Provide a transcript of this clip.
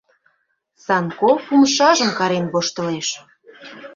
Санков умшажым карен воштылеш.